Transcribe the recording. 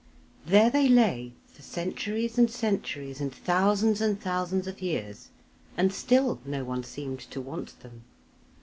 There they lay for centuries and centuries, and thousands and thousands of years, and still no one seemed to want them.